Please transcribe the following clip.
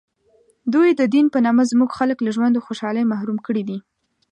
دوی د دین په نامه زموږ خلک له ژوند و خوشحالۍ محروم کړي دي.